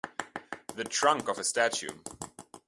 The trunk of a statue.